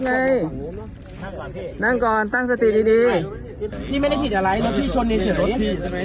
นั่งก่อนเนี่ยตั้งสติดี